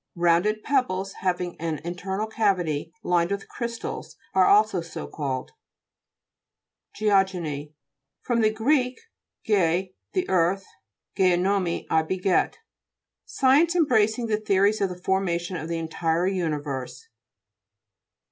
Rounded pebbles hav ing an internal cavity, lined with crystals, are also so called. GE'OGENT fr, gr, ge, the earth, gei nomai, I beget. Science embracing the theories of the formation of the entire universe.